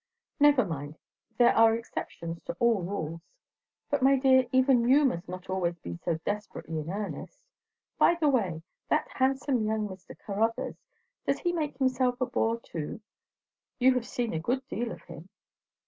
"Never mind. There are exceptions to all rules. But, my dear, even you must not be always so desperately in earnest. By the way! That handsome young Mr. Caruthers does he make himself a bore too? You have seen a good deal of him."